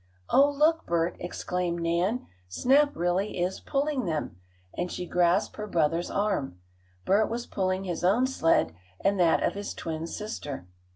"Oh, look, Bert!" exclaimed Nan, "Snap really is pulling them," and she grasped her brother's arm. Bert was pulling his own sled and that of his twin sister.